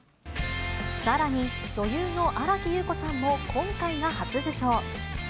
さらに女優の新木優子さんも今回が初受賞。